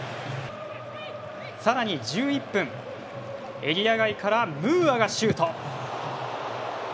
さらに１１分エリア外からムーアがシュート。